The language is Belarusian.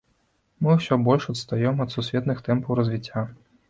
Мы ўсё больш адстаём ад сусветных тэмпаў развіцця.